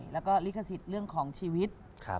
แล้วก็ลิขสิทธิ์เรื่องของชีวิต